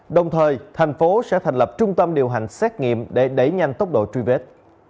đồng thời thành phố sẽ thành lập trung tâm điều hành xét nghiệm để đẩy nhanh tốc độ truy vết